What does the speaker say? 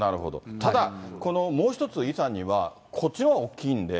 ただ、このもう一つ、イさんにはこっちが大きいんで。